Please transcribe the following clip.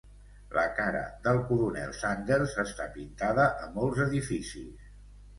La cara del coronel Sanders està pintada a molts edificis.